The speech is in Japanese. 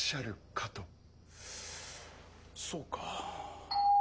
・そうか。